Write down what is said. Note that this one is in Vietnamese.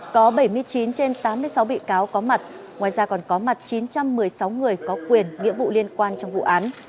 có bảy mươi chín trên tám mươi sáu bị cáo có mặt ngoài ra còn có mặt chín trăm một mươi sáu người có quyền nghĩa vụ liên quan trong vụ án